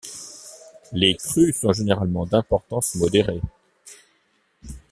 Les crues sont généralement d'importance modérée.